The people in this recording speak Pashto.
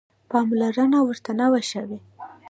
پاملرنه ورته نه وه شوې.